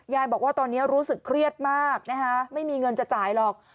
บอกว่าตอนนี้รู้สึกเครียดมากนะคะไม่มีเงินจะจ่ายหรอก